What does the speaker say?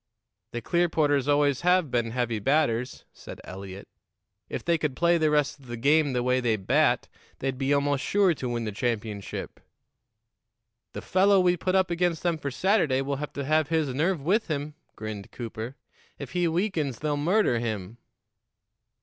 "The Clearporters always have been heavy batters," said Eliot. "If they could play the rest of the game the way they bat, they'd be almost sure to win the championship." "The fellow we put up against them for Saturday will have to have his nerve with him," grinned Cooper. "If he weakens, they'll murder him."